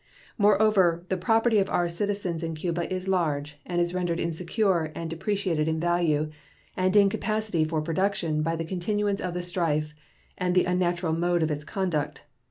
Moreover, the property of our citizens in Cuba is large, and is rendered insecure and depreciated in value and in capacity of production by the continuance of the strife and the unnatural mode of its conduct.